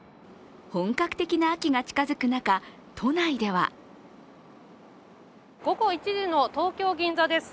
本格的な秋が近づく中、都内では午後１時の東京・銀座です。